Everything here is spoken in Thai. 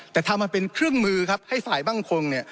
แต่ทำมาเป็นเครื่องมือครับให้ฝ่ายบ้างคงเนี่ย